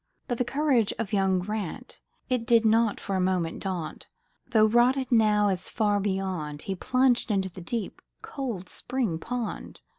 But the courage of young Grant, It did not for a moment daunt, Though rod it now is far beyond, He plunged into deep, cold spring pond.